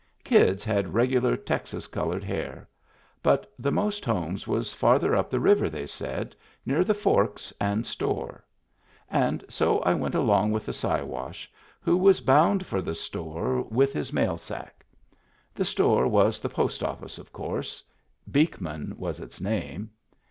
Kids had regular Texas colored hair. But the most homes was farther up the river, they said, near the Forks and store; and so I went along with the Siwash, who was bound for the store with his Digitized by Google 234 MEMBERS OF THE FAMILY mail sack. The store was the post office, of course — Beekman was its name.